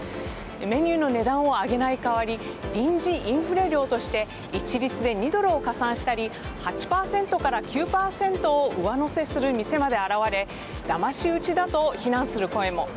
メニューの値段を上げない代わり臨時インフレ料として一律で２ドルを加算したり８％から９％を上乗せする店まで現れだまし討ちだと非難する声も。